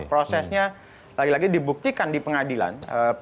prosesnya lagi lagi dibuktikan di pengadilan